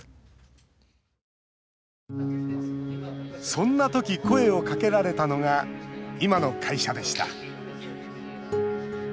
そんな時、声をかけられたのが今の会社でした。